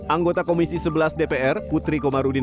anggota komisi sebelas dpr putri komarudin